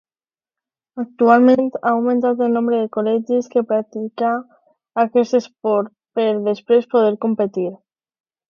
Actualment, ha augmentat el nombre de col·legis que practica aquest esport per, després, poder competir.